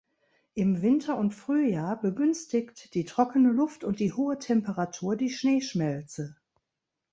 Im Winter und Frühjahr begünstigt die trockene Luft und die hohe Temperatur die Schneeschmelze.